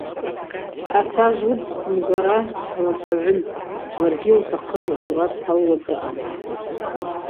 Атажв уыд дхъвымгара алацӏагӏвын, ларгьи йылтахъыз асурат дталуа даъан.